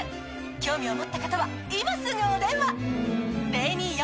興味を持った方は、今すぐお電話。